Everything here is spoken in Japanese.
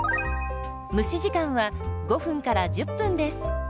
蒸し時間は５１０分です。